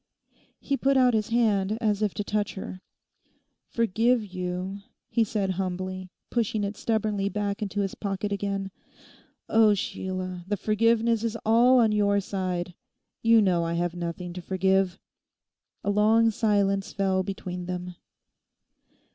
He put out his hand as if to touch her. 'Forgive you!' he said humbly, pushing it stubbornly back into his pocket again. 'Oh, Sheila, the forgiveness is all on your side. You know I have nothing to forgive.' A long silence fell between them.